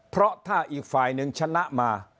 เพราะถ้าอีกฝ่ายหนึ่งชนะมา